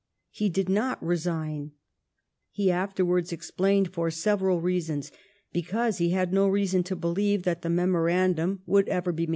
He did not resign, he after* wards explained, for several reasons, because he had no reason to believe that the memorandum would ever be PALMEB8T0N AND THE COURT.